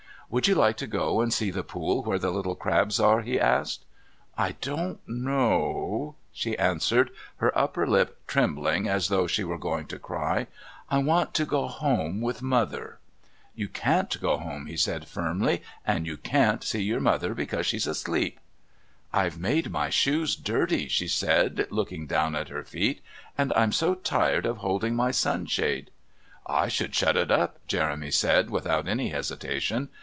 "Would you like to go and see the pool where the little crabs are?" he asked. "I don't know," she answered, her upper lip trembling as though she were going to cry. "I want to go home with Mother." "You can't go home," he said firmly, "and you can't see your mother, because she's asleep." "I've made my shoes dirty," she said, looking down at her feet, "and I'm so tired of holding my sunshade." "I should shut it up," Jeremy said without any hesitation.